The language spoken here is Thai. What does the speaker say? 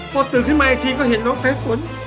พอตื่นขึ้นมาอีกทีก็เห็นน้องสายฝน